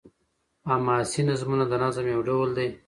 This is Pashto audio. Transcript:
حماسي نظمونه د نظم يو ډول دﺉ.